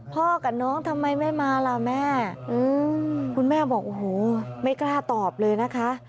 กับน้องทำไมไม่มาล่ะแม่คุณแม่บอกโอ้โหไม่กล้าตอบเลยนะคะ